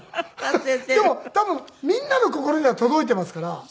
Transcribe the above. でも多分みんなの心には届いていますから。